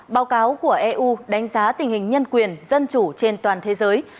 báo cáo của eu đánh giá tình hình nhân quyền dân chủ trên toàn thế giới